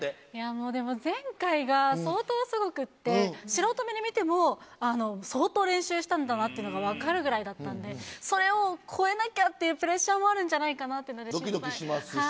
もうでも前回が相当すごくって、素人目で見ても、相当練習したんだなっていうのが分かるぐらいだったんで、それを越えなきゃっていうプレッシャーもあるんじゃないかなってどきどきしますし。